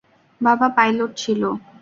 বাবা পাইলট ছিল।